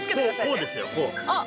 こうですよこう。